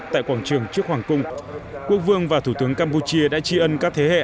tại quảng trường trước hoàng cung quốc vương và thủ tướng campuchia đã tri ân các thế hệ